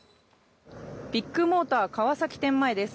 ビッグモーター川崎店前です。